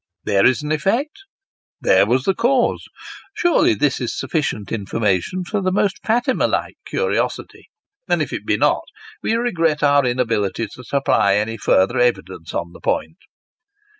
There is an effect there was a cause. Surely this is sufficient information for the most Fatima like curiosity ; and, if it be not, we regret our inability to supply any further evidence on the point.